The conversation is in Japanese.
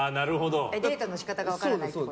デートの仕方が分からないってこと？